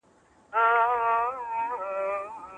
دا سفر یو طرفه دی نسته لار د ستنېدلو